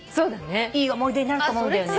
いい思い出になると思うんだよね。